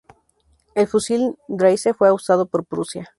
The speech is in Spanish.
El fusil Dreyse fue usado por Prusia.